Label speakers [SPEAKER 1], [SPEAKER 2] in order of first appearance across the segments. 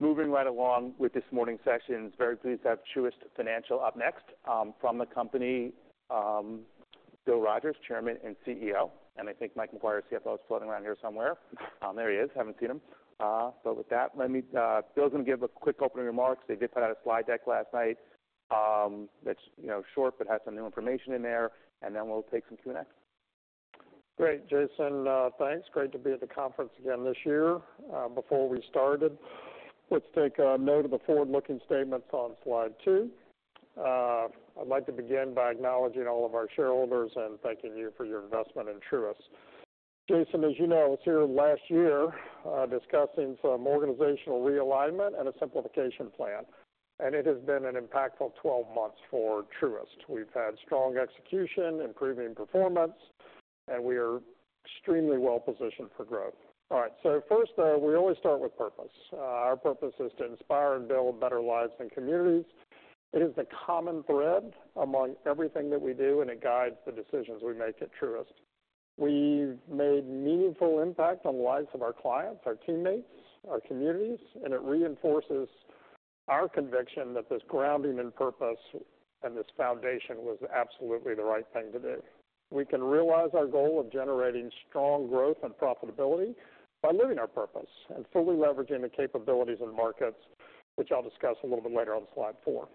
[SPEAKER 1] ...Moving right along with this morning's session, very pleased to have Truist Financial up next. From the company, Bill Rogers, Chairman and CEO, and I think Mike Maguire, CFO, is floating around here somewhere. There he is. Haven't seen him. But with that, let me, Bill's going to give a quick opening remarks. They did put out a slide deck last night, that's, you know, short, but has some new information in there, and then we'll take some Q&A.
[SPEAKER 2] Great, Jason, thanks. Great to be at the conference again this year. Before we start it, let's take note of the forward-looking statements on slide two. I'd like to begin by acknowledging all of our shareholders and thanking you for your investment in Truist. Jason, as you know, I was here last year, discussing some organizational realignment and a simplification plan, and it has been an impactful twelve months for Truist. We've had strong execution, improving performance, and we are extremely well positioned for growth. All right, so first, we always start with purpose. Our purpose is to inspire and build better lives and communities. It is the common thread among everything that we do, and it guides the decisions we make at Truist. We've made meaningful impact on the lives of our clients, our teammates, our communities, and it reinforces our conviction that this grounding and purpose, and this foundation was absolutely the right thing to do. We can realize our goal of generating strong growth and profitability by living our purpose and fully leveraging the capabilities and markets, which I'll discuss a little bit later on slide four.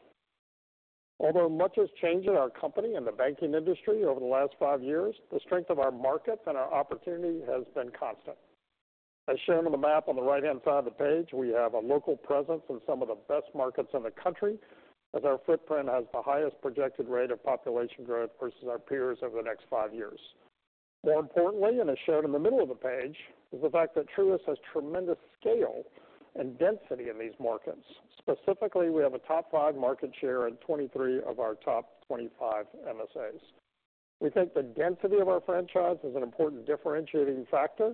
[SPEAKER 2] Although much has changed in our company and the banking industry over the last five years, the strength of our markets and our opportunity has been constant. As shown on the map on the right-hand side of the page, we have a local presence in some of the best markets in the country, as our footprint has the highest projected rate of population growth versus our peers over the next five years. More importantly, and as shown in the middle of the page, is the fact that Truist has tremendous scale and density in these markets. Specifically, we have a top five market share in 23 of our top 25 MSAs. We think the density of our franchise is an important differentiating factor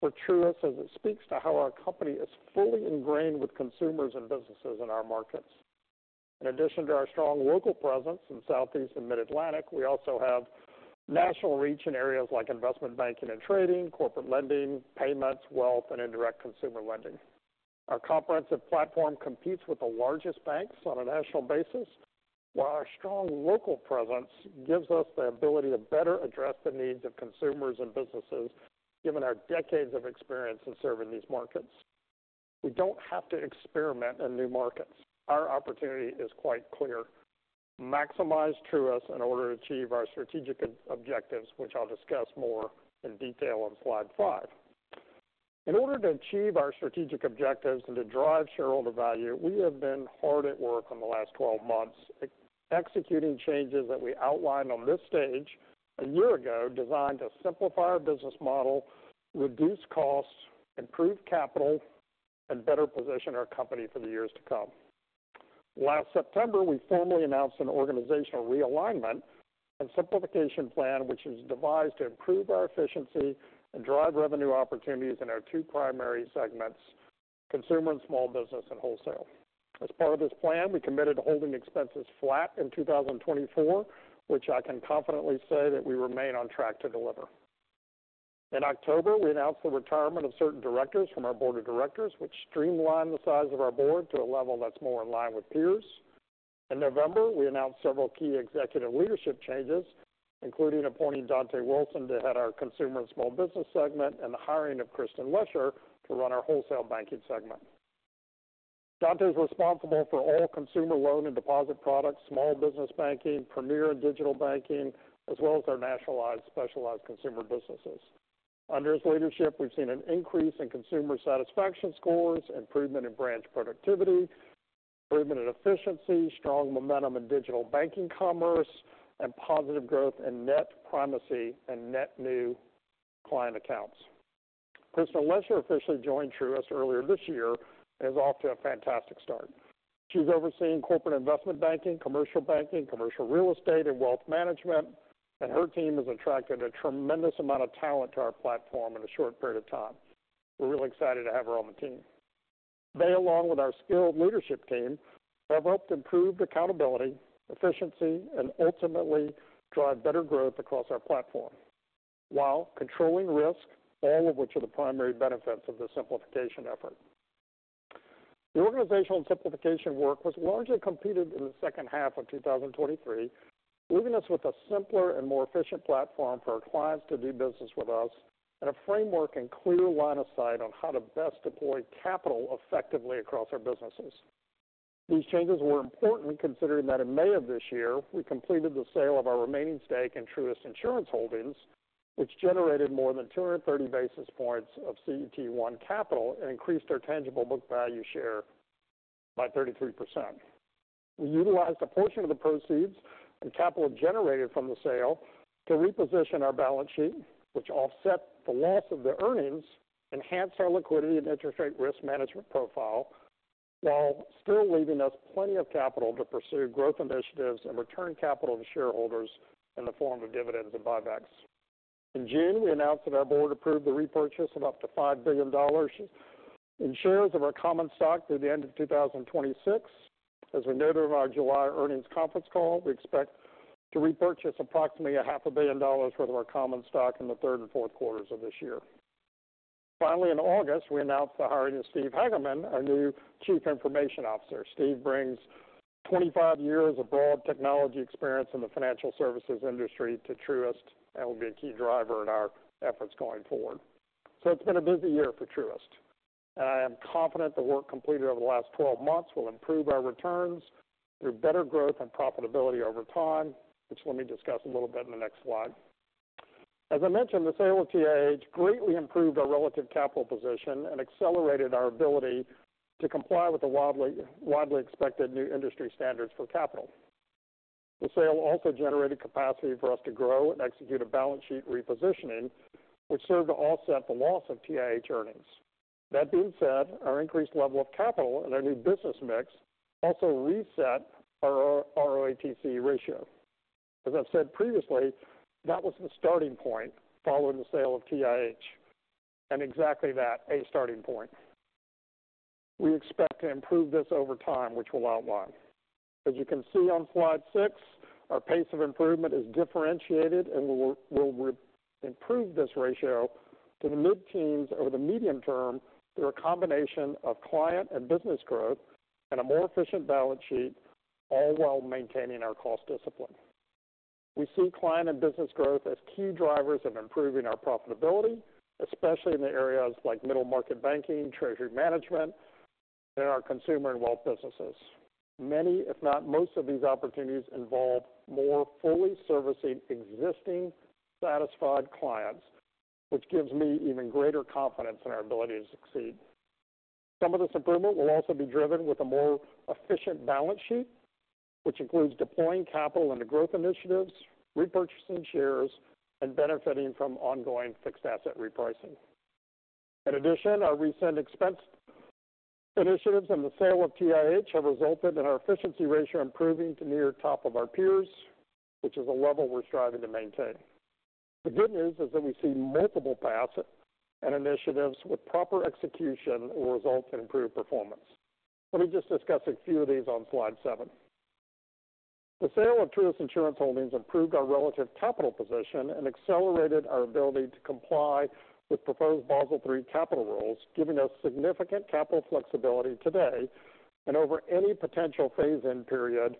[SPEAKER 2] for Truist, as it speaks to how our company is fully ingrained with consumers and businesses in our markets. In addition to our strong local presence in the Southeast and Mid-Atlantic, we also have national reach in areas like investment banking and trading, corporate lending, payments, wealth, and indirect consumer lending. Our comprehensive platform competes with the largest banks on a national basis, while our strong local presence gives us the ability to better address the needs of consumers and businesses, given our decades of experience in serving these markets. We don't have to experiment in new markets. Our opportunity is quite clear: maximize Truist in order to achieve our strategic objectives, which I'll discuss more in detail on slide five. In order to achieve our strategic objectives and to drive shareholder value, we have been hard at work on the last twelve months, executing changes that we outlined on this stage a year ago, designed to simplify our business model, reduce costs, improve capital, and better position our company for the years to come. Last September, we formally announced an organizational realignment and simplification plan, which is devised to improve our efficiency and drive revenue opportunities in our two primary segments, consumer and small business, and wholesale. As part of this plan, we committed to holding expenses flat in 2024, which I can confidently say that we remain on track to deliver. In October, we announced the retirement of certain directors from our board of directors, which streamlined the size of our board to a level that's more in line with peers. In November, we announced several key executive leadership changes, including appointing Dontá Wilson to head our consumer and small business segment, and the hiring of Kristin Lesher to run our wholesale banking segment. Dontá is responsible for all consumer loan and deposit products, small business banking, Premier and digital banking, as well as our national specialized consumer businesses. Under his leadership, we've seen an increase in consumer satisfaction scores, improvement in branch productivity, improvement in efficiency, strong momentum in digital banking commerce, and positive growth in net primacy and net new client accounts. Kristin Lesher officially joined Truist earlier this year and is off to a fantastic start. She's overseeing corporate investment banking, commercial banking, commercial real estate, and wealth management, and her team has attracted a tremendous amount of talent to our platform in a short period of time. We're really excited to have her on the team. They, along with our skilled leadership team, have helped improve accountability, efficiency, and ultimately drive better growth across our platform, while controlling risk, all of which are the primary benefits of the simplification effort. The organizational and simplification work was largely completed in the second half of 2023, leaving us with a simpler and more efficient platform for our clients to do business with us, and a framework and clear line of sight on how to best deploy capital effectively across our businesses. These changes were important, considering that in May of this year, we completed the sale of our remaining stake in Truist Insurance Holdings, which generated more than two hundred and 30 basis points of CET1 capital and increased our tangible book value share by 33%. We utilized a portion of the proceeds and capital generated from the sale to reposition our balance sheet, which offset the loss of the earnings, enhanced our liquidity and interest rate risk management profile, while still leaving us plenty of capital to pursue growth initiatives and return capital to shareholders in the form of dividends and buybacks. In June, we announced that our board approved the repurchase of up to $5 billion in shares of our common stock through the end of 2026. As we noted in our July earnings conference call, we expect-... to repurchase approximately $500 million worth of our common stock in the third and fourth quarters of this year. Finally, in August, we announced the hiring of Steve Hagerman, our new Chief Information Officer. Steve brings 25 years of broad technology experience in the financial services industry to Truist and will be a key driver in our efforts going forward. So it's been a busy year for Truist, and I am confident the work completed over the last twelve months will improve our returns through better growth and profitability over time, which let me discuss a little bit in the next slide. As I mentioned, the sale of TIH greatly improved our relative capital position and accelerated our ability to comply with the widely, widely expected new industry standards for capital. The sale also generated capacity for us to grow and execute a balance sheet repositioning, which served to offset the loss of TIH earnings. That being said, our increased level of capital and our new business mix also reset our ROTCE ratio. As I've said previously, that was the starting point following the sale of TIH, and exactly that, a starting point. We expect to improve this over time, which we'll outline. As you can see on slide six, our pace of improvement is differentiated, and we will improve this ratio to the mid-teens over the medium term through a combination of client and business growth and a more efficient balance sheet, all while maintaining our cost discipline. We see client and business growth as key drivers of improving our profitability, especially in the areas like middle market banking, treasury management, and our consumer and wealth businesses. Many, if not most, of these opportunities involve more fully servicing existing satisfied clients, which gives me even greater confidence in our ability to succeed. Some of this improvement will also be driven with a more efficient balance sheet, which includes deploying capital into growth initiatives, repurchasing shares, and benefiting from ongoing fixed asset repricing. In addition, our recent expense initiatives and the sale of TIH have resulted in our efficiency ratio improving to near top of our peers, which is a level we're striving to maintain. The good news is that we see multiple paths and initiatives with proper execution will result in improved performance. Let me just discuss a few of these on slide seven. The sale of Truist Insurance Holdings improved our relative capital position and accelerated our ability to comply with proposed Basel III capital rules, giving us significant capital flexibility today and over any potential phase-in period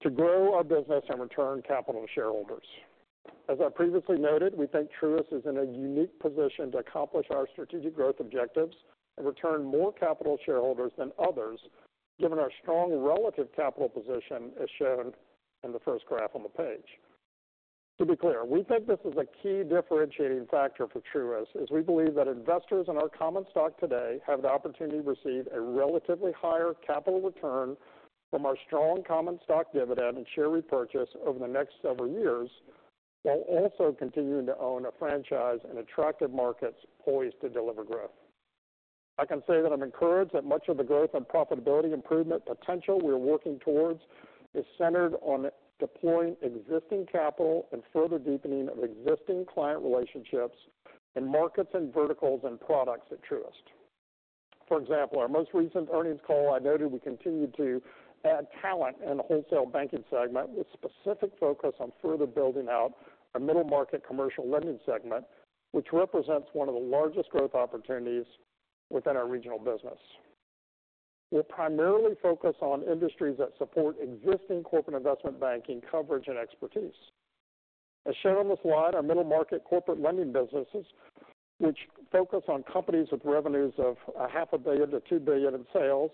[SPEAKER 2] to grow our business and return capital to shareholders. As I previously noted, we think Truist is in a unique position to accomplish our strategic growth objectives and return more capital to shareholders than others, given our strong relative capital position, as shown in the first graph on the page. To be clear, we think this is a key differentiating factor for Truist, as we believe that investors in our common stock today have the opportunity to receive a relatively higher capital return from our strong common stock dividend and share repurchase over the next several years, while also continuing to own a franchise in attractive markets poised to deliver growth. I can say that I'm encouraged that much of the growth and profitability improvement potential we are working towards is centered on deploying existing capital and further deepening of existing client relationships in markets, and verticals, and products at Truist. For example, our most recent earnings call, I noted we continued to add talent in the wholesale banking segment, with specific focus on further building out our middle market commercial lending segment, which represents one of the largest growth opportunities within our regional business. We're primarily focused on industries that support existing corporate investment banking coverage and expertise. As shown on this slide, our middle market corporate lending businesses, which focus on companies with revenues of $500 million-$2 billion in sales,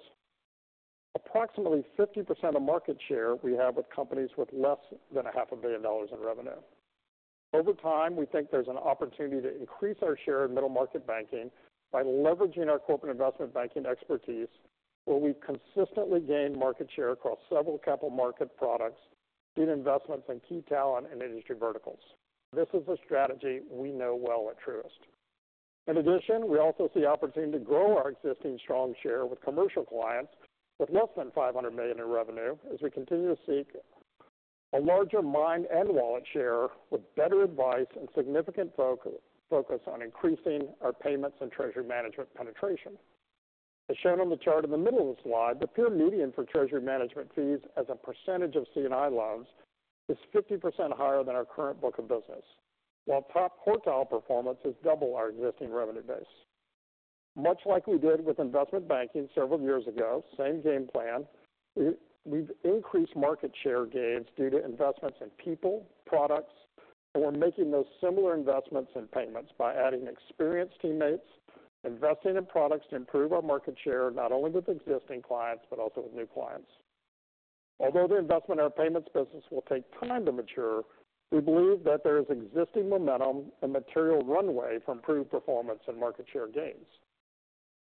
[SPEAKER 2] approximately 50% of market share we have with companies with less than $500 million in revenue. Over time, we think there's an opportunity to increase our share in middle market banking by leveraging our corporate investment banking expertise, where we've consistently gained market share across several capital market products due to investments in key talent and industry verticals. This is a strategy we know well at Truist. In addition, we also see opportunity to grow our existing strong share with commercial clients with less than five hundred million in revenue as we continue to seek a larger mind and wallet share, with better advice and significant focus on increasing our payments and treasury management penetration. As shown on the chart in the middle of the slide, the peer median for treasury management fees as a percentage of C&I loans is 50% higher than our current book of business, while top quartile performance is double our existing revenue base. Much like we did with investment banking several years ago, same game plan, we've increased market share gains due to investments in people, products, and we're making those similar investments in payments by adding experienced teammates, investing in products to improve our market share, not only with existing clients, but also with new clients. Although the investment in our payments business will take time to mature, we believe that there is existing momentum and material runway for improved performance and market share gains.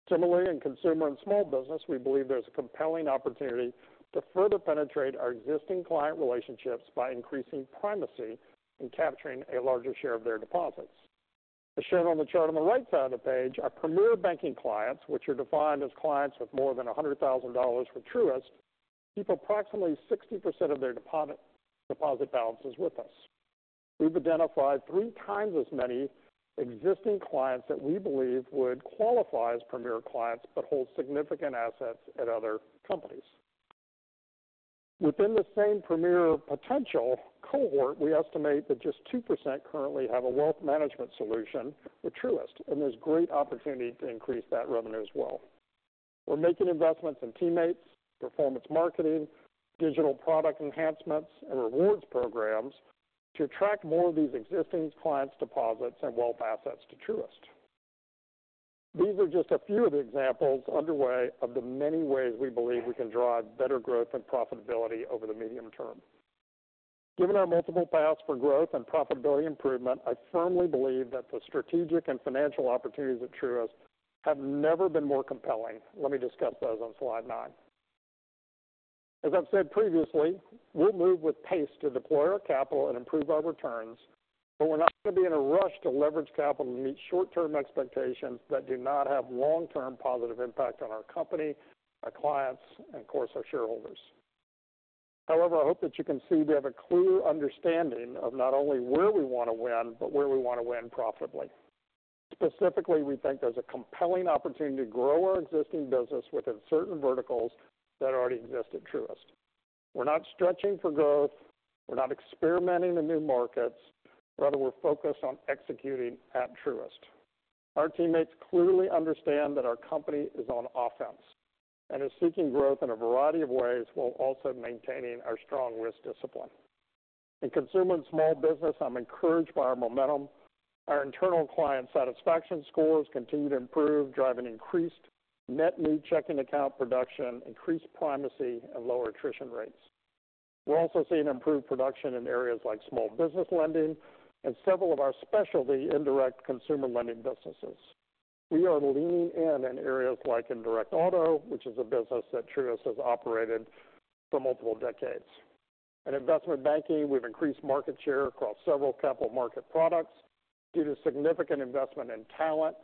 [SPEAKER 2] Similarly, in consumer and small business, we believe there's a compelling opportunity to further penetrate our existing client relationships by increasing primacy and capturing a larger share of their deposits. As shown on the chart on the right side of the page, our Premier banking clients, which are defined as clients with more than $100,000 with Truist, keep approximately 60% of their deposit balances with us. We've identified three times as many existing clients that we believe would qualify as Premier clients, but hold significant assets at other companies. Within the same Premier potential cohort, we estimate that just 2% currently have a wealth management solution with Truist, and there's great opportunity to increase that revenue as well. We're making investments in teammates, performance marketing, digital product enhancements, and rewards programs to attract more of these existing clients, deposits, and wealth assets to Truist. These are just a few of the examples underway of the many ways we believe we can drive better growth and profitability over the medium term. Given our multiple paths for growth and profitability improvement, I firmly believe that the strategic and financial opportunities at Truist have never been more compelling. Let me discuss those on slide nine. As I've said previously, we'll move with pace to deploy our capital and improve our returns, but we're not going to be in a rush to leverage capital to meet short-term expectations that do not have long-term positive impact on our company, our clients, and, of course, our shareholders. However, I hope that you can see we have a clear understanding of not only where we want to win, but where we want to win profitably. Specifically, we think there's a compelling opportunity to grow our existing business within certain verticals that already exist at Truist. We're not stretching for growth. We're not experimenting in new markets. Rather, we're focused on executing at Truist. Our teammates clearly understand that our company is on offense and is seeking growth in a variety of ways, while also maintaining our strong risk discipline. In consumer and small business, I'm encouraged by our momentum. Our internal client satisfaction scores continue to improve, driving increased net new checking account production, increased primacy, and lower attrition rates. We're also seeing improved production in areas like small business lending and several of our specialty indirect consumer lending businesses. We are leaning in areas like indirect auto, which is a business that Truist has operated for multiple decades. In investment banking, we've increased market share across several capital market products due to significant investment in talent,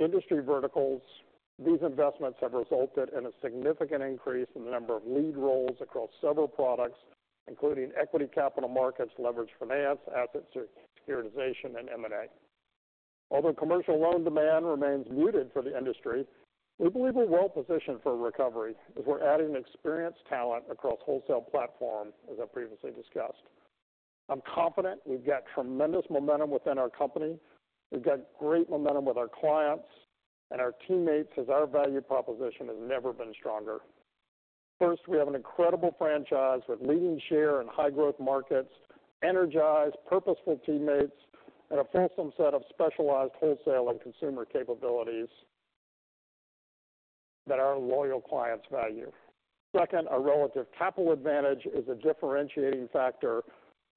[SPEAKER 2] industry verticals. These investments have resulted in a significant increase in the number of lead roles across several products, including equity capital markets, leveraged finance, asset securitization, and M&A. Although commercial loan demand remains muted for the industry, we believe we're well positioned for a recovery, as we're adding experienced talent across wholesale platform, as I previously discussed. I'm confident we've got tremendous momentum within our company. We've got great momentum with our clients and our teammates, as our value proposition has never been stronger. First, we have an incredible franchise with leading share in high-growth markets, energized, purposeful teammates, and a fulsome set of specialized wholesale and consumer capabilities that our loyal clients value. Second, our relative capital advantage is a differentiating factor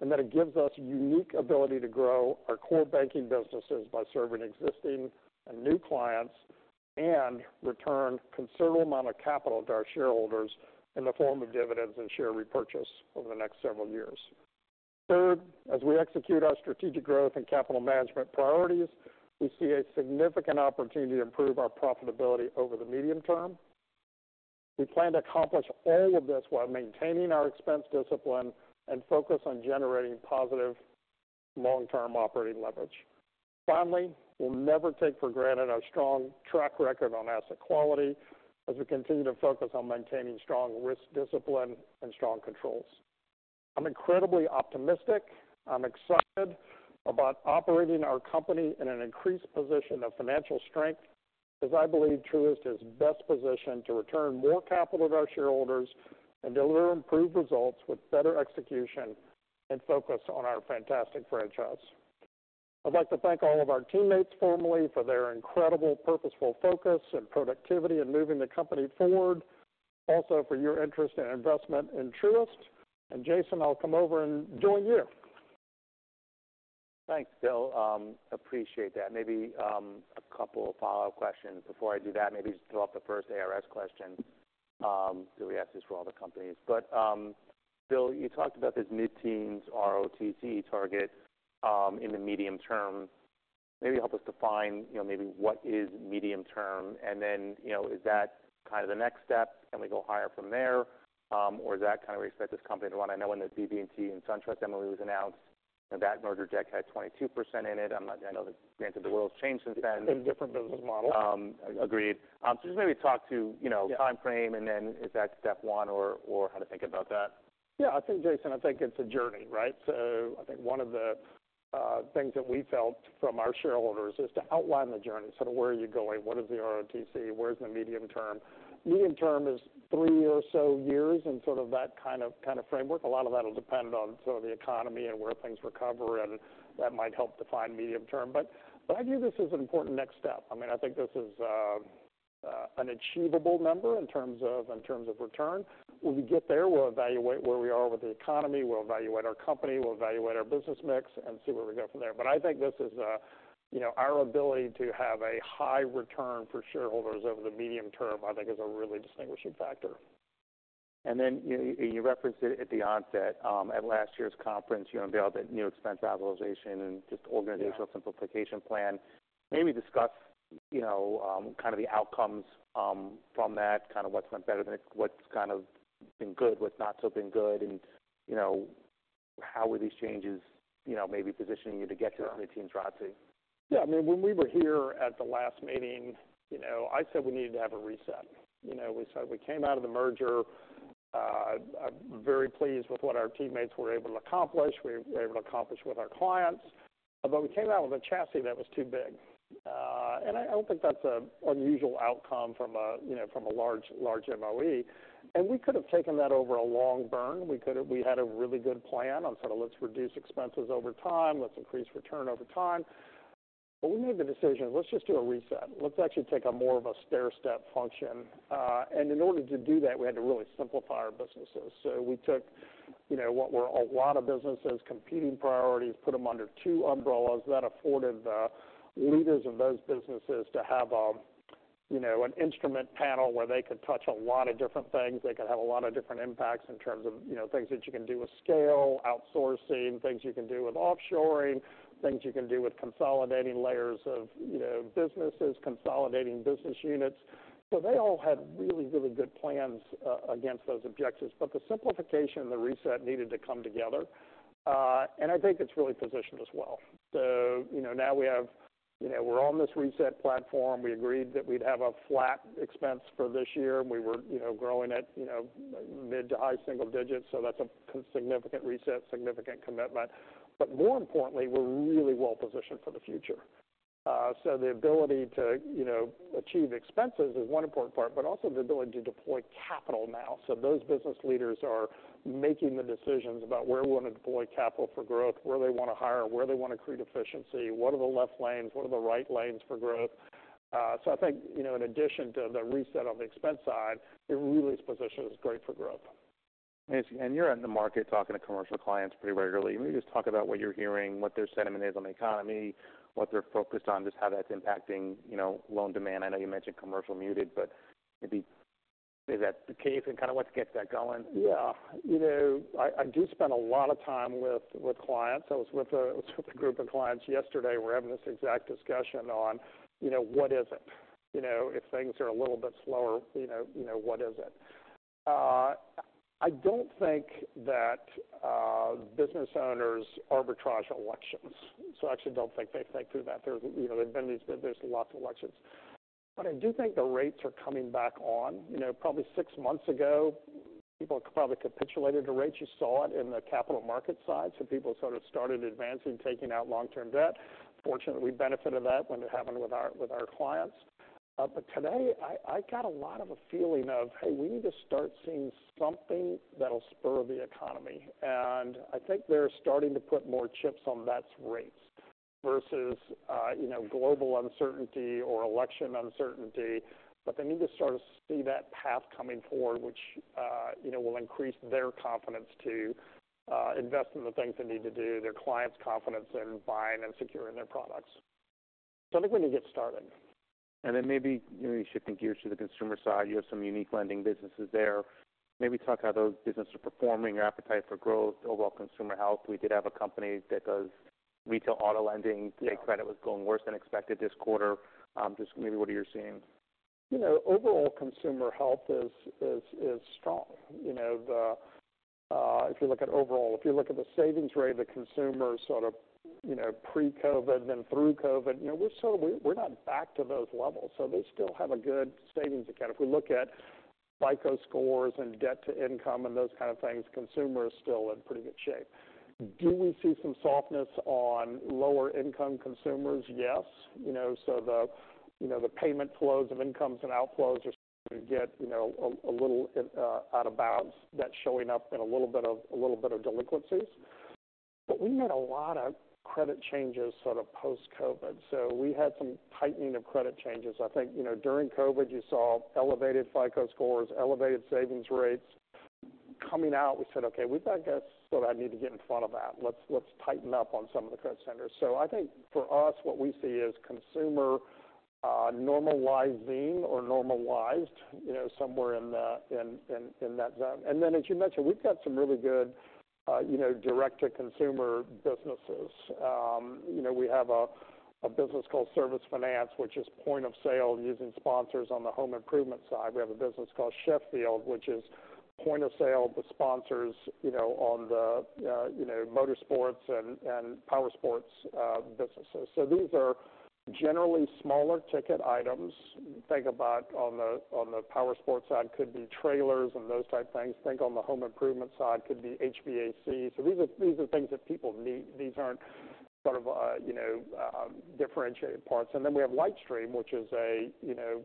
[SPEAKER 2] in that it gives us unique ability to grow our core banking businesses by serving existing and new clients, and return considerable amount of capital to our shareholders in the form of dividends and share repurchase over the next several years. Third, as we execute our strategic growth and capital management priorities, we see a significant opportunity to improve our profitability over the medium term. We plan to accomplish all of this while maintaining our expense discipline and focus on generating positive long-term operating leverage. Finally, we'll never take for granted our strong track record on asset quality as we continue to focus on maintaining strong risk discipline and strong controls. I'm incredibly optimistic. I'm excited about operating our company in an increased position of financial strength, as I believe Truist is best positioned to return more capital to our shareholders and deliver improved results with better execution and focus on our fantastic franchise. I'd like to thank all of our teammates formally for their incredible, purposeful focus and productivity in moving the company forward, also for your interest and investment in Truist, and Jason, I'll come over and join you.
[SPEAKER 1] Thanks, Bill. Appreciate that. Maybe a couple of follow-up questions. Before I do that, maybe just pull up the first ARS question that we ask this for all the companies. But, Bill, you talked about this mid-teens ROTCE target in the medium term. Maybe help us define, you know, maybe what is medium term? And then, you know, is that kind of the next step? Can we go higher from there? Or is that kind of where you expect this company to run? I know when the BB&T and SunTrust merger was announced, and that merger, deck, had 22% in it. I'm not. I know that, granted, the world's changed since then.
[SPEAKER 2] It's a different business model.
[SPEAKER 1] Agreed. So just maybe talk to, you know-
[SPEAKER 2] Yeah...
[SPEAKER 1] time frame, and then is that step one, or how to think about that?
[SPEAKER 2] Yeah, I think, Jason, I think it's a journey, right? So I think one of the things that we felt from our shareholders is to outline the journey, sort of where are you going? What is the ROTCE? Where's the medium term? Medium term is three or so years, and sort of that kind of framework. A lot of that'll depend on sort of the economy and where things recover, and that might help define medium term. But I view this as an important next step. I mean, I think this is an achievable number in terms of return. When we get there, we'll evaluate where we are with the economy, we'll evaluate our company, we'll evaluate our business mix, and see where we go from there. But I think this is, you know, our ability to have a high return for shareholders over the medium term, I think is a really distinguishing factor.
[SPEAKER 1] And then, you referenced it at the onset. At last year's conference, you unveiled a new expense optimization and just-
[SPEAKER 2] Yeah
[SPEAKER 1] organizational simplification plan. Maybe discuss, you know, kind of the outcomes from that, kind of what's gone better than what's been good, what's not been so good, and, you know, how are these changes, you know, maybe positioning you to get to the teens ROTCE?
[SPEAKER 2] Yeah, I mean, when we were here at the last meeting, you know, I said we needed to have a reset. You know, we said we came out of the merger. I'm very pleased with what our teammates were able to accomplish, we were able to accomplish with our clients. But we came out with a chassis that was too big. And I don't think that's an unusual outcome from a, you know, from a large, large MOE. And we could have taken that over a long burn. We could have. We had a really good plan on sort of, let's reduce expenses over time, let's increase return over time. But we made the decision, let's just do a reset. Let's actually take a more of a stairstep function. And in order to do that, we had to really simplify our businesses. So we took, you know, what were a lot of businesses, competing priorities, put them under two umbrellas. That afforded the leaders of those businesses to have, you know, an instrument panel where they could touch a lot of different things. They could have a lot of different impacts in terms of, you know, things that you can do with scale, outsourcing, things you can do with offshoring, things you can do with consolidating layers of, you know, businesses, consolidating business units. So they all had really, really good plans against those objectives. But the simplification and the reset needed to come together, and I think it's really positioned us well. So, you know, now we have, you know, we're on this reset platform. We agreed that we'd have a flat expense for this year, and we were, you know, growing at, you know, mid to high single digits, so that's a significant reset, significant commitment, but more importantly, we're really well positioned for the future, so the ability to, you know, achieve expenses is one important part, but also the ability to deploy capital now, so those business leaders are making the decisions about where we want to deploy capital for growth, where they want to hire, where they want to create efficiency, what are the left lanes, what are the right lanes for growth, so I think, you know, in addition to the reset on the expense side, it really is positioned as great for growth.
[SPEAKER 1] You're in the market talking to commercial clients pretty regularly. Can you just talk about what you're hearing, what their sentiment is on the economy, what they're focused on, just how that's impacting, you know, loan demand? I know you mentioned commercial muted, but maybe is that the case and kind of what to get that going?
[SPEAKER 2] Yeah. You know, I do spend a lot of time with clients. I was with a group of clients yesterday. We were having this exact discussion on, you know, what is it? You know, if things are a little bit slower, you know, what is it? I don't think that business owners arbitrage elections. So I actually don't think they think through that. There, you know, there's been these. There's lots of elections. But I do think the rates are coming back on. You know, probably six months ago, people probably capitulated to rates. You saw it in the capital market side. So people sort of started advancing, taking out long-term debt. Fortunately, we benefited that when it happened with our clients. But today, I got a lot of a feeling of, "Hey, we need to start seeing something that'll spur the economy." And I think they're starting to put more chips on that's rates versus, you know, global uncertainty or election uncertainty. But they need to sort of see that path coming forward, which, you know, will increase their confidence to invest in the things they need to do, their clients' confidence in buying and securing their products. So I think we can get started.
[SPEAKER 1] Then maybe, maybe shifting gears to the consumer side, you have some unique lending businesses there. Maybe talk how those businesses are performing, your appetite for growth, overall consumer health. We did have a company that does retail auto lending.
[SPEAKER 2] Yeah.
[SPEAKER 1] Their credit was going worse than expected this quarter. Just maybe what are you seeing?
[SPEAKER 2] You know, overall consumer health is strong. You know, if you look at the savings rate of the consumer, sort of, you know, pre-COVID and then through COVID, you know, we're sort of not back to those levels, so they still have a good savings account. If we look at FICO scores and debt to income and those kind of things, consumer is still in pretty good shape. Do we see some softness on lower income consumers? Yes. You know, so, you know, the payment flows of incomes and outflows are starting to get, you know, a little out of bounds. That's showing up in a little bit of delinquencies. But we made a lot of credit changes sort of post-COVID, so we had some tightening of credit changes. I think, you know, during COVID, you saw elevated FICO scores, elevated savings rates. Coming out, we said, "Okay, we've got to sort of need to get in front of that. Let's tighten up on some of the credit centers." So I think for us, what we see is consumer, normalizing or normalized, you know, somewhere in that zone. And then, as you mentioned, we've got some really good, you know, direct-to-consumer businesses. You know, we have a business called Service Finance, which is point of sale, using sponsors on the home improvement side. We have a business called Sheffield, which is point of sale, but sponsors, you know, on the, you know, motorsports and powersports, businesses. So these are generally smaller ticket items. Think about on the powersports side, could be trailers and those type of things. Think on the home improvement side, could be HVAC. So these are things that people need. These aren't sort of, you know, differentiated parts. And then we have LightStream, which is a, you know,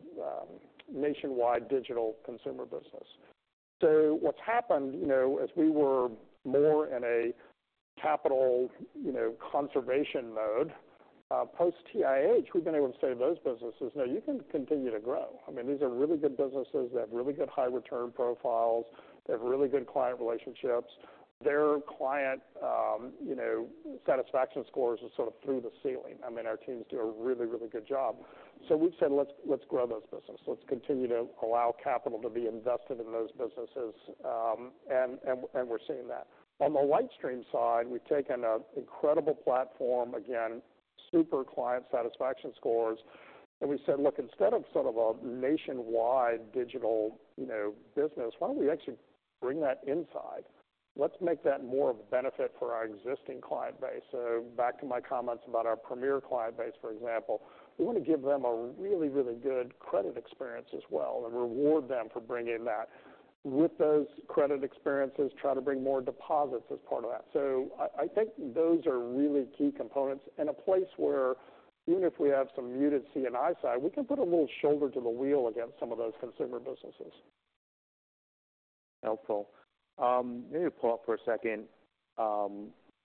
[SPEAKER 2] nationwide digital consumer business. So what's happened, you know, as we were more in a capital, you know, conservation mode, post TIH, we've been able to say to those businesses, "Now you can continue to grow." I mean, these are really good businesses. They have really good high return profiles. They have really good client relationships. Their client, you know, satisfaction scores are sort of through the ceiling. I mean, our teams do a really, really good job. So we've said, "Let's, let's grow those businesses. Let's continue to allow capital to be invested in those businesses," and we're seeing that. On the LightStream side, we've taken an incredible platform. Again, super client satisfaction scores, and we said, "Look, instead of sort of a nationwide digital, you know, business, why don't we actually bring that inside? Let's make that more of a benefit for our existing client base," so back to my comments about our Premier client base, for example, we want to give them a really, really good credit experience as well, and reward them for bringing that. With those credit experiences, try to bring more deposits as part of that, so I think those are really key components and a place where even if we have some muted C&I side, we can put a little shoulder to the wheel against some of those consumer businesses.
[SPEAKER 1] Helpful. Maybe pause for a second.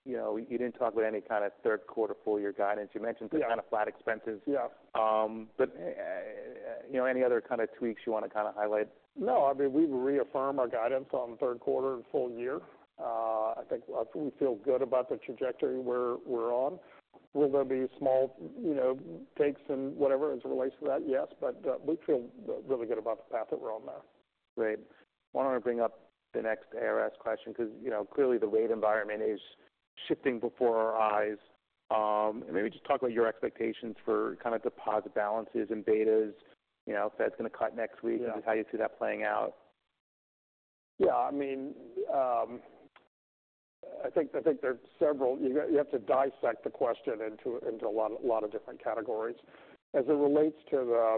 [SPEAKER 1] You know, you didn't talk about any kind of third quarter full year guidance. You mentioned-
[SPEAKER 2] Yeah.
[SPEAKER 1] Kind of flat expenses.
[SPEAKER 2] Yeah.
[SPEAKER 1] But, you know, any other kind of tweaks you want to kind of highlight?
[SPEAKER 2] No. I mean, we reaffirm our guidance on the third quarter and full year. I think we feel good about the trajectory where we're on. Will there be small, you know, takes and whatever, as it relates to that? Yes. But, we feel really good about the path that we're on now.
[SPEAKER 1] Great. Why don't I bring up the next ARS question? 'Cause, you know, clearly the rate environment is shifting before our eyes. Maybe just talk about your expectations for kind of deposit balances and betas. You know, Fed's gonna cut next week.
[SPEAKER 2] Yeah
[SPEAKER 1] Just how you see that playing out?
[SPEAKER 2] Yeah, I mean, I think there are several. You gotta, you have to dissect the question into a lot of different categories. As it relates to the,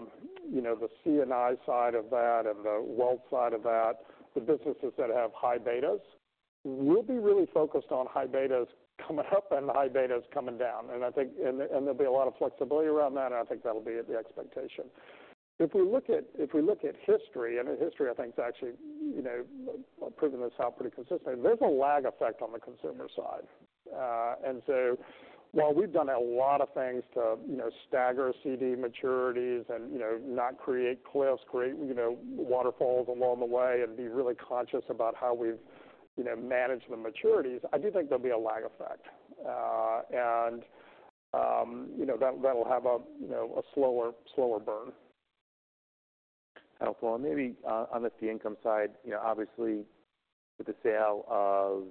[SPEAKER 2] you know, the C&I side of that and the wealth side of that, the businesses that have high betas, we'll be really focused on high betas coming up and high betas coming down. And I think, and there'll be a lot of flexibility around that, and I think that'll be the expectation. If we look at history, I think is actually, you know, proven this out pretty consistently, there's a lag effect on the consumer side. And so while we've done a lot of things to, you know, stagger CD maturities and, you know, not create cliffs, you know, waterfalls along the way and be really conscious about how we've, you know, managed the maturities, I do think there'll be a lag effect. And you know, that, that'll have a, you know, a slower burn.
[SPEAKER 1] Helpful, and maybe, on the fee income side, you know, obviously, with the sale of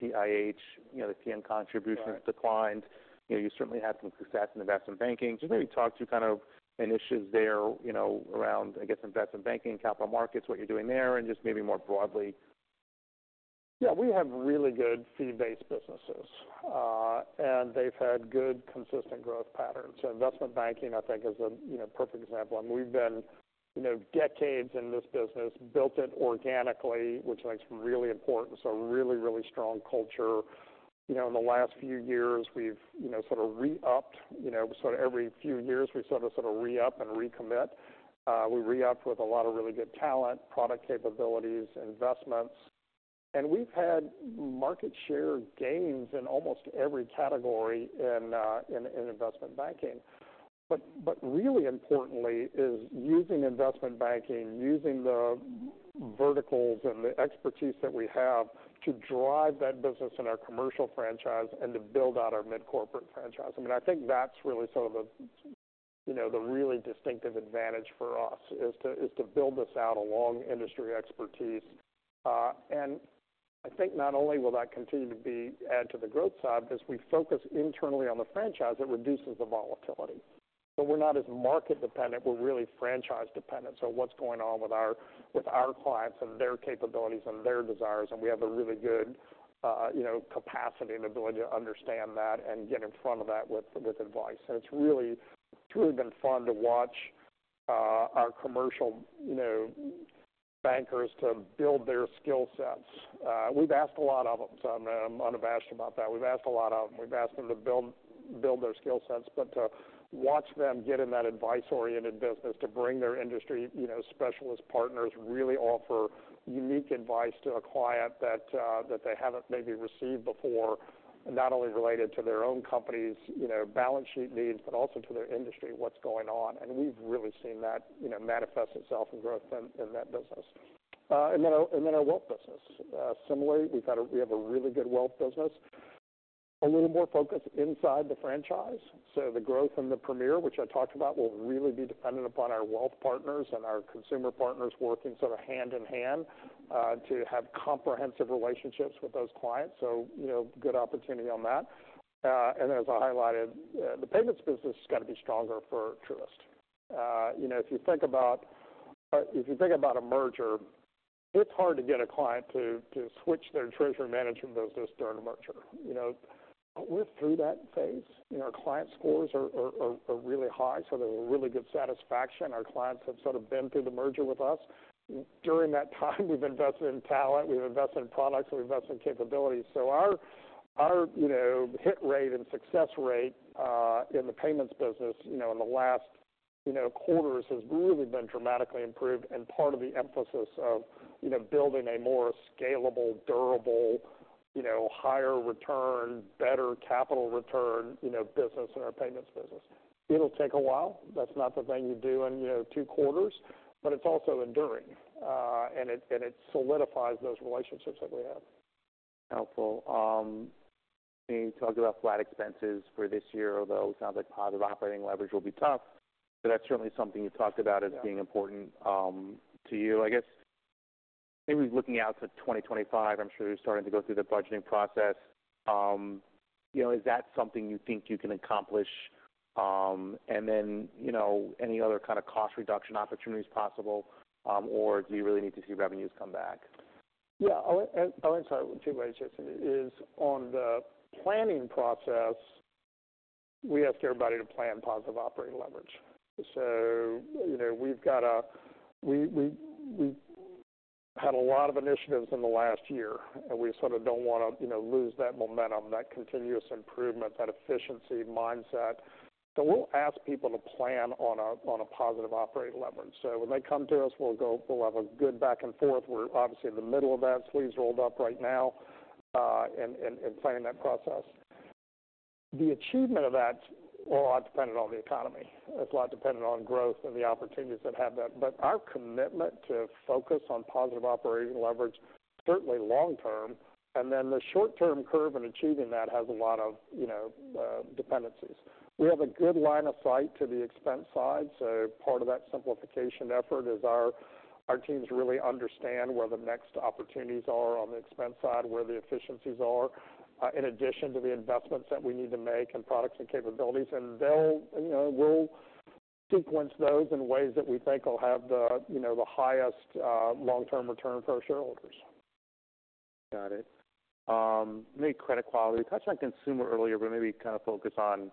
[SPEAKER 1] the TIH, you know, the TN contribution-
[SPEAKER 2] Right
[SPEAKER 1] Declined. You know, you certainly had some success in investment banking. Just maybe talk through kind of any issues there, you know, around, I guess, investment banking and capital markets, what you're doing there, and just maybe more broadly.
[SPEAKER 2] Yeah, we have really good fee-based businesses, and they've had good, consistent growth patterns. So investment banking, I think, is a, you know, perfect example. And we've been, you know, decades in this business, built it organically, which I think is really important. So a really, really strong culture. You know, in the last few years, we've, you know, sort of re-upped. You know, so every few years, we sort of re-up and recommit. We re-up with a lot of really good talent, product capabilities, investments, and we've had market share gains in almost every category in investment banking. But really importantly is using investment banking, using the verticals and the expertise that we have to drive that business in our commercial franchise and to build out our mid-corporate franchise. I mean, I think that's really sort of a, you know, the really distinctive advantage for us is to build this out along industry expertise. And I think not only will that continue to be add to the growth side, because we focus internally on the franchise, it reduces the volatility. So we're not as market dependent, we're really franchise dependent. So what's going on with our clients and their capabilities and their desires, and we have a really good, you know, capacity and ability to understand that and get in front of that with advice. And it's really truly been fun to watch our commercial, you know, bankers to build their skill sets. We've asked a lot of them, so I'm unabashed about that. We've asked them to build their skill sets, but to watch them get in that advice-oriented business, to bring their industry, you know, specialist partners, really offer unique advice to a client that they haven't maybe received before, not only related to their own company's, you know, balance sheet needs, but also to their industry, what's going on, and we've really seen that, you know, manifest itself in growth in that business, and then our Wealth business. Similarly, we have a really good Wealth business, a little more focused inside the franchise. The growth in the Premier, which I talked about, will really be dependent upon our Wealth partners and our consumer partners working sort of hand in hand to have comprehensive relationships with those clients. You know, good opportunity on that. And as I highlighted, the payments business has got to be stronger for Truist. You know, if you think about a merger, it's hard to get a client to switch their treasury management business during a merger. You know, we're through that phase, and our client scores are really high, so they're really good satisfaction. Our clients have sort of been through the merger with us. During that time, we've invested in talent, we've invested in products, and we've invested in capabilities. So our, you know, hit rate and success rate in the payments business, you know, in the last, you know, quarters has really been dramatically improved and part of the emphasis of, you know, building a more scalable, durable, you know, higher return, better capital return, you know, business in our payments business. It'll take a while. That's not the thing you do in, you know, two quarters, but it's also enduring, and it solidifies those relationships that we have....
[SPEAKER 1] helpful. You talked about flat expenses for this year, although it sounds like positive operating leverage will be tough, but that's certainly something you talked about as being important to you. I guess maybe looking out to 2025, I'm sure you're starting to go through the budgeting process. You know, is that something you think you can accomplish? And then, you know, any other kind of cost reduction opportunities possible, or do you really need to see revenues come back?
[SPEAKER 2] Yeah, I want to start with two ways, Jason, is on the planning process, we ask everybody to plan positive operating leverage. So, you know, we've had a lot of initiatives in the last year, and we sort of don't want to, you know, lose that momentum, that continuous improvement, that efficiency mindset. So we'll ask people to plan on a positive operating leverage. So when they come to us, we'll have a good back and forth. We're obviously in the middle of that, sleeves rolled up right now, in planning that process. The achievement of that will a lot dependent on the economy. It's a lot dependent on growth and the opportunities that have that. But our commitment to focus on positive operating leverage, certainly long term, and then the short term curve in achieving that has a lot of, you know, dependencies. We have a good line of sight to the expense side, so part of that simplification effort is our teams really understand where the next opportunities are on the expense side, where the efficiencies are, in addition to the investments that we need to make in products and capabilities. And they'll, you know, we'll sequence those in ways that we think will have the, you know, the highest, long-term return for our shareholders.
[SPEAKER 1] Got it. Maybe credit quality. We touched on consumer earlier, but maybe kind of focus on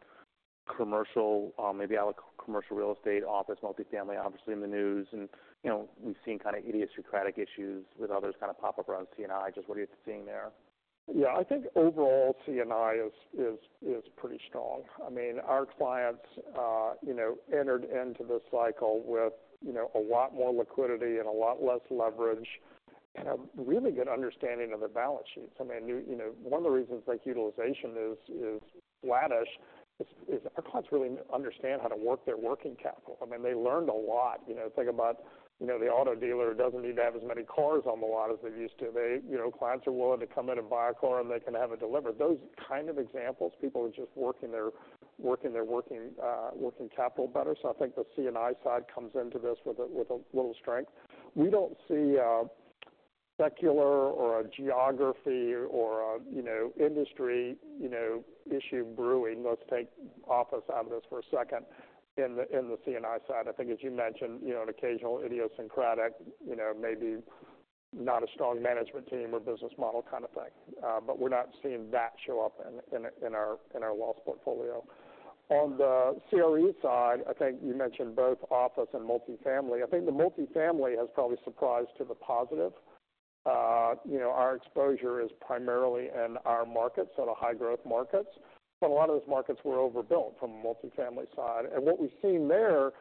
[SPEAKER 1] commercial, maybe CRE, commercial real estate, office, multifamily, obviously in the news, and, you know, we've seen kind of idiosyncratic issues with others kind of pop up around C&I. Just what are you seeing there?
[SPEAKER 2] Yeah, I think overall, C&I is pretty strong. I mean, our clients, you know, entered into this cycle with, you know, a lot more liquidity and a lot less leverage and a really good understanding of their balance sheets. I mean, you know, one of the reasons bank utilization is flattish is our clients really understand how to work their working capital. I mean, they learned a lot. You know, think about, you know, the auto dealer doesn't need to have as many cars on the lot as they used to. They, you know, clients are willing to come in and buy a car, and they can have it delivered. Those kind of examples, people are just working their working capital better. So I think the C&I side comes into this with a little strength. We don't see a secular or a geography or you know, industry, you know, issue brewing. Let's take office out of this for a second. In the C&I side, I think as you mentioned, you know, an occasional idiosyncratic, you know, maybe not a strong management team or business model kind of thing. But we're not seeing that show up in our loss portfolio. On the CRE side, I think you mentioned both office and multifamily. I think the multifamily has probably surprised to the positive. You know, our exposure is primarily in our markets, so the high growth markets, but a lot of those markets were overbuilt from a multifamily side. And what we've seen there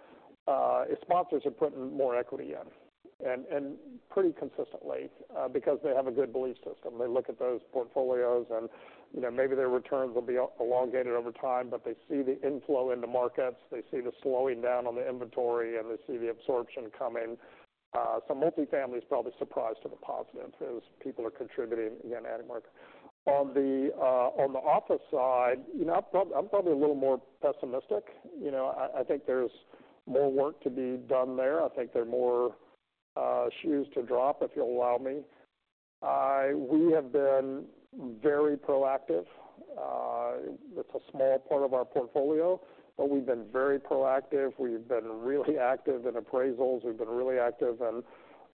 [SPEAKER 2] is sponsors are putting more equity in, and pretty consistently because they have a good belief system. They look at those portfolios and, you know, maybe their returns will be elongated over time, but they see the inflow in the markets, they see the slowing down on the inventory, and they see the absorption coming. So multifamily is probably surprised to the positive as people are contributing, again, adding market. On the office side, you know, I'm probably a little more pessimistic. You know, I think there's more work to be done there. I think there are more shoes to drop, if you'll allow me. We have been very proactive. It's a small part of our portfolio, but we've been very proactive. We've been really active in appraisals. We've been really active in,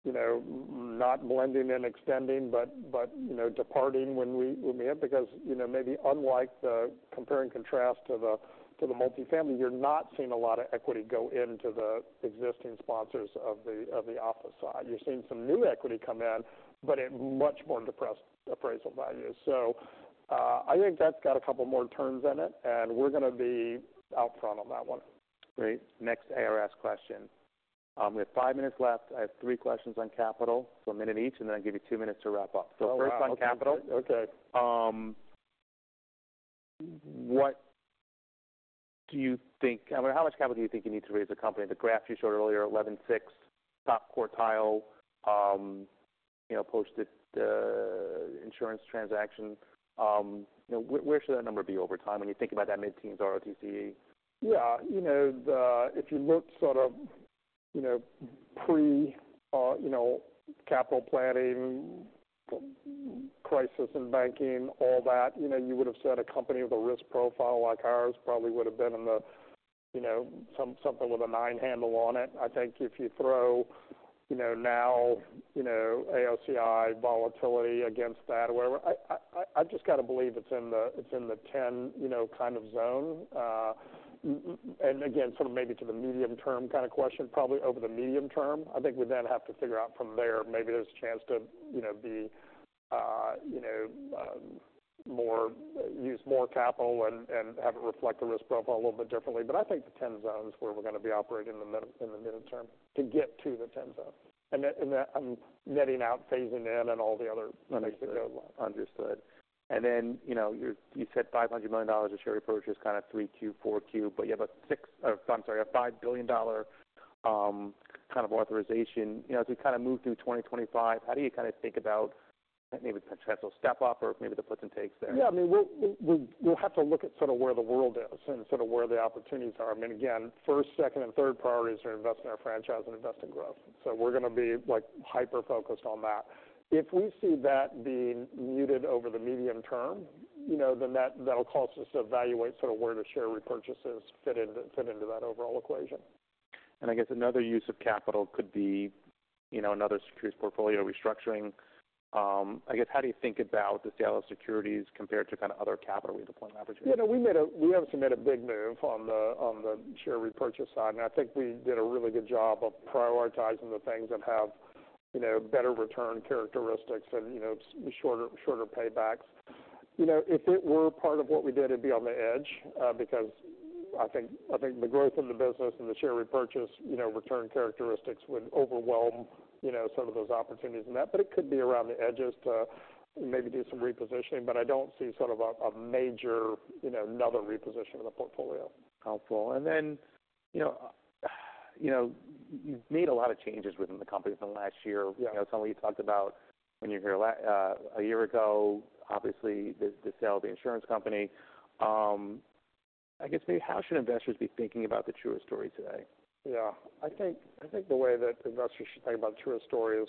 [SPEAKER 2] you know, not blending and extending, but, you know, departing when we have, because, you know, maybe unlike the compare and contrast to the multifamily, you're not seeing a lot of equity go into the existing sponsors of the office side. You're seeing some new equity come in, but at much more depressed appraisal values. So, I think that's got a couple more turns in it, and we're going to be out front on that one.
[SPEAKER 1] Great. Next ARS question. We have five minutes left. I have three questions on capital, so a minute each, and then I give you two minutes to wrap up.
[SPEAKER 2] Oh, wow.
[SPEAKER 1] So first on capital.
[SPEAKER 2] Okay.
[SPEAKER 1] What do you think, I mean, how much capital do you think you need to raise a company? The graph you showed earlier, 11.6 top quartile, you know, posted insurance transaction. You know, where should that number be over time when you think about that mid-teens ROTCE?
[SPEAKER 2] Yeah, you know, if you look sort of, you know, pre-capital planning, crisis in banking, all that, you know, you would have said a company with a risk profile like ours probably would have been in the, you know, something with a nine handle on it. I think if you throw, you know, now, you know, AOCI volatility against that or whatever, I just kind of believe it's in the ten, you know, kind of zone. And again, sort of maybe to the medium term kind of question, probably over the medium term. I think we then have to figure out from there. Maybe there's a chance to use more capital and have it reflect the risk profile a little bit differently. But I think the ten zone is where we're going to be operating in the midterm to get to the ten zone. And that I'm netting out, phasing in, and all the other money.
[SPEAKER 1] Understood. And then, you know, you said $500 million of share repurchase, kind of 3Q, 4Q, but you have a six, or I'm sorry, a $5 billion, kind of authorization. You know, as we kind of move through 2025, how do you kind of think about maybe potential step up or maybe the puts and takes there?
[SPEAKER 2] Yeah, I mean, we'll have to look at sort of where the world is and sort of where the opportunities are. I mean, again, first, second, and third priorities are invest in our franchise and invest in growth. So we're gonna be, like, hyper-focused on that. If we see that being muted over the medium term, you know, then that, that'll cause us to evaluate sort of where the share repurchases fit into that overall equation.
[SPEAKER 1] And I guess another use of capital could be, you know, another securities portfolio restructuring. I guess, how do you think about the sale of securities compared to kind of other capital redeployment opportunities?
[SPEAKER 2] Yeah, you know, we obviously made a big move on the share repurchase side, and I think we did a really good job of prioritizing the things that have, you know, better return characteristics and, you know, shorter paybacks. You know, if it were part of what we did, it'd be on the edge, because I think the growth in the business and the share repurchase return characteristics would overwhelm, you know, some of those opportunities in that. But it could be around the edges to maybe do some repositioning, but I don't see sort of a major, you know, another reposition of the portfolio.
[SPEAKER 1] Helpful. And then, you know, you know, you've made a lot of changes within the company from last year.
[SPEAKER 2] Yeah.
[SPEAKER 1] You know, some of you talked about when you were here a year ago, obviously, the sale of the insurance company. I guess, maybe, how should investors be thinking about the Truist story today?
[SPEAKER 2] Yeah. I think the way that investors should think about the Truist story is,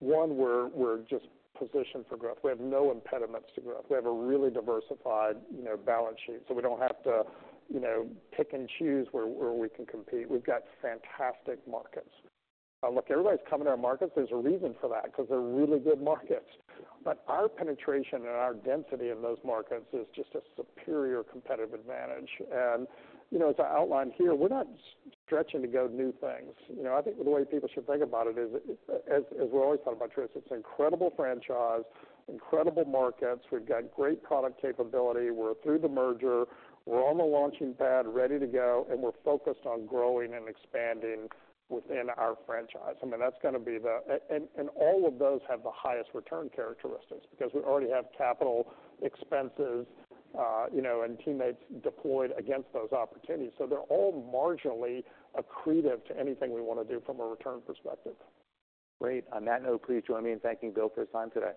[SPEAKER 2] one, we're just positioned for growth. We have no impediments to growth. We have a really diversified, you know, balance sheet, so we don't have to, you know, pick and choose where we can compete. We've got fantastic markets. Look, everybody's coming to our markets. There's a reason for that, 'cause they're really good markets. But our penetration and our density in those markets is just a superior competitive advantage. And, you know, as I outlined here, we're not stretching to go new things. You know, I think the way people should think about it is, as we always talk about Truist, it's an incredible franchise, incredible markets. We've got great product capability. We're through the merger. We're on the launching pad, ready to go, and we're focused on growing and expanding within our franchise. I mean, that's gonna be, and all of those have the highest return characteristics because we already have capital expenses, and teammates deployed against those opportunities. So they're all marginally accretive to anything we want to do from a return perspective.
[SPEAKER 1] Great. On that note, please join me in thanking Bill for his time today.